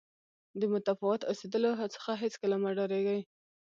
د متفاوت اوسېدلو څخه هېڅکله مه ډارېږئ.